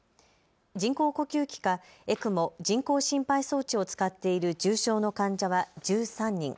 人工呼吸器かＥＣＭＯ・人工心肺装置を使っている重症の患者は１３人。